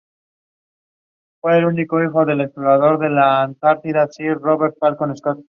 Se aprovecha mejor el voltaje de la bobina, menos perdidas.